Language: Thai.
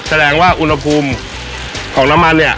แสดงว่าอุณหภูมิของน้ำมันเนี่ย